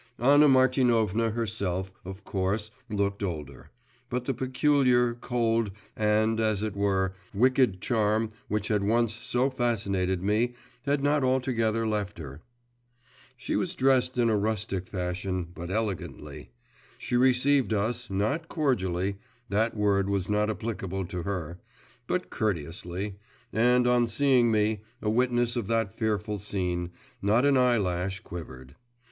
Anna Martinovna herself, of course, looked older. But the peculiar, cold, and, as it were, wicked charm which had once so fascinated me had not altogether left her. She was dressed in rustic fashion, but elegantly. She received us, not cordially that word was not applicable to her but courteously, and on seeing me, a witness of that fearful scene, not an eyelash quivered.